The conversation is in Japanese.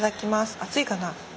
熱いかな？